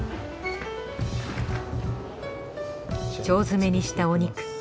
腸詰めにしたお肉